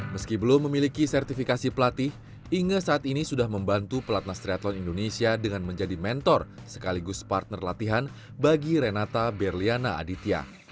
meski belum memiliki sertifikasi pelatih inge saat ini sudah membantu pelatnas triathlon indonesia dengan menjadi mentor sekaligus partner latihan bagi renata berliana aditya